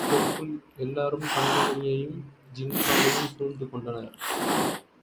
இதற்குள் எல்லாரும் தங்கமணியையும், ஜின்காவையும் சூழ்ந்து கொண்டனர்.